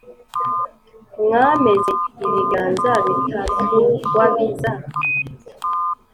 Mwameze ibiganza bitatugwabiza